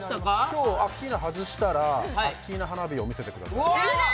今日アッキーナ外したらアッキーナ花火を見せてくださいやだ